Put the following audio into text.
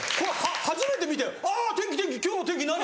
初めて見て「あ天気天気今日の天気何？」。